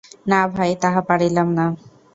না ভাই, তাহা পারিলাম না।